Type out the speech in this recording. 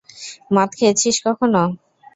মদ খেয়েছিস কখনো?